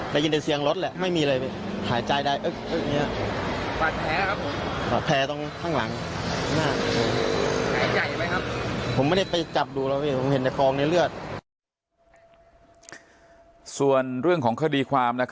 ได้ยินแต่เสียงรถแหละไม่มีอะไรไอ้พี่ทหายใจได้เอ๊ะและงี้